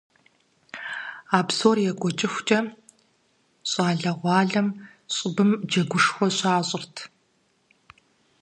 А псор екӀуэкӀыхукӀэ, щӀалэгъуалэм щӀыбым джэгушхуэ щащӀырт.